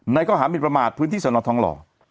ข้อหามินประมาทพื้นที่สนทองหล่อ